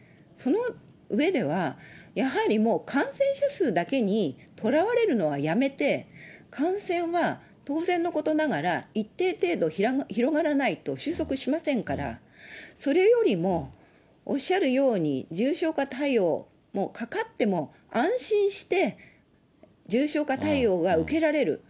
その上では、やはりもう、感染者数だけにとらわれるのはやめて、感染は当然のことながら、一定程度広がらないと収束しませんから、それよりも、おっしゃるように、重症化対応も、かかっても、安心して重症化対応が受けられる。